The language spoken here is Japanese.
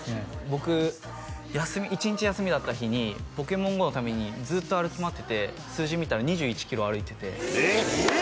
僕一日休みだった日に「ポケモンＧＯ」のためにずっと歩き回ってて数字見たら２１キロ歩いててええ！